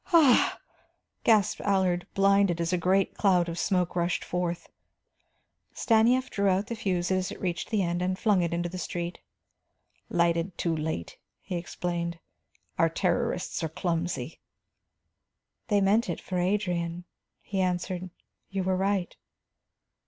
"Ah!" gasped Allard, blinded, as a great cloud of smoke rushed forth. Stanief drew out the fuse as it reached the end, and flung it into the street. "Lighted too late," he explained. "Our terrorists are clumsy." "They meant it for Adrian," he answered. "You were right."